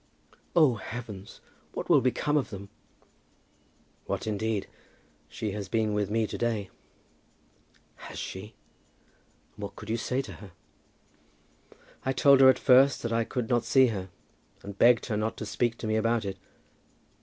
"Oh, heavens! what will become of them?" "What indeed? She has been with me to day." "Has she? And what could you say to her?" "I told her at first that I could not see her, and begged her not to speak to me about it.